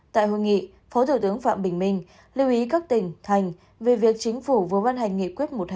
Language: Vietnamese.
tại hội nghị phó thủ tướng phạm bình minh lưu ý các tỉnh thành về việc chính phủ vừa ban hành nghị quyết một trăm hai mươi